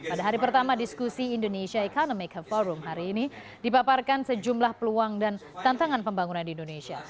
pada hari pertama diskusi indonesia economic forum hari ini dipaparkan sejumlah peluang dan tantangan pembangunan di indonesia